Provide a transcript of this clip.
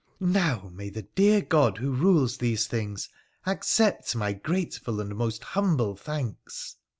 ' Now may the dear God who rules these things accept my grateful and most humble thanks